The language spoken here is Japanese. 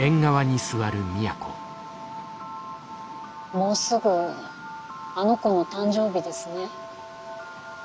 もうすぐあの子の誕生日ですね。